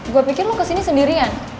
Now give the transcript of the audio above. gue pikir lo kesini sendirian